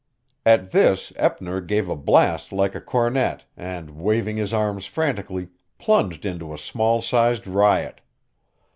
At this Eppner gave a blast like a cornet, and, waving his arms frantically, plunged into a small sized riot.